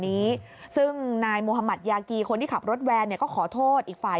นี้ซึ่งนายมุธมัธยากีคนที่ขับรถแวนเนี่ยก็ขอโทษอีกฝ่าย